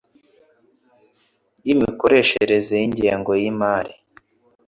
y imikoreshereze y ingengo y’imari